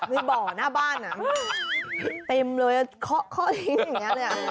ในเหมาะหน้าบ้านเต็มเลยข้อลิ้น